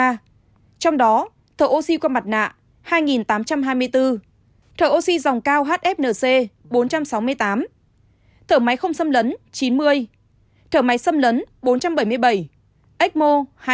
trong đó thợ oxy qua mặt nạ hai tám trăm hai mươi bốn thợ oxy dòng cao hfnc bốn trăm sáu mươi tám thở máy không xâm lấn chín mươi thở máy xâm lấn bốn trăm bảy mươi bảy ecmo hai nghìn một mươi